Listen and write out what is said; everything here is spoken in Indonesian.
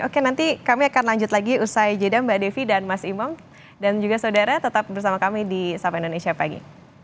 oke nanti kami akan lanjut lagi usai jeda mbak devi dan mas imam dan juga saudara tetap bersama kami di sapa indonesia pagi